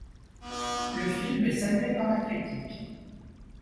Le film est salué par la critique.